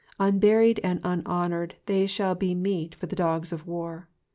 Unburied and unhonoured they shall be meat for the dogs of war.